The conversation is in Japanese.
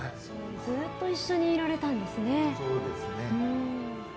ずっと一緒にいられたんですね。